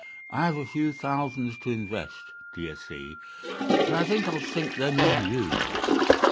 I have a few thousands to invest, d'ye see, and I think I'll sink them in you.